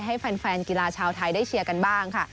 ให้แฟนกีฬาชาวไทยได้เชียร์กันบ้างค่ะ